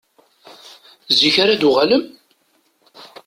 Zik ara d-uɣalen?